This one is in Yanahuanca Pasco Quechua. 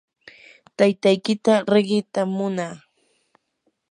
taytaykita riqitam munaa.